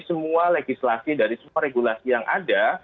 semua legislasi dari semua regulasi yang ada